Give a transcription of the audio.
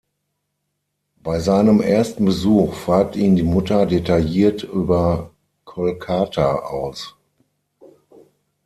Bei seinem ersten Besuch fragt ihn die Mutter detailliert über Kolkata aus.